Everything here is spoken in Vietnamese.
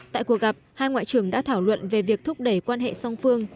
tại cuộc gặp hai ngoại trưởng đã thảo luận về việc thúc đẩy quan hệ song phương